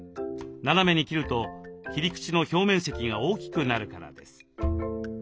斜めに切ると切り口の表面積が大きくなるからです。